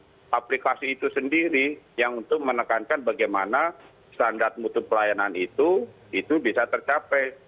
untuk aplikasi itu sendiri yang untuk menekankan bagaimana standar mutu pelayanan itu itu bisa tercapai